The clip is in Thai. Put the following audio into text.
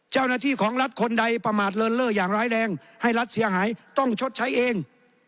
เจ้าหน้าที่ของรัฐคนใดประมาทเลินเล่ออย่างร้ายแรงให้รัฐเสียหายต้องชดใช้เอง